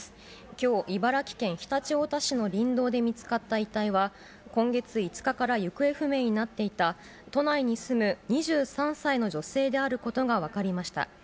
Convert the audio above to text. きょう、茨城県常陸太田市の林道で見つかった遺体は、今月５日から行方不明になっていた、都内に住む２３歳の女性であることが分かりました。